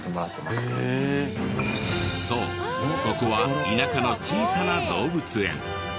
そうここは田舎の小さな動物園。